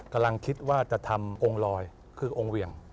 กำลังคิดว่าจะทำองค์ลอยคือองค์เหวี่ยง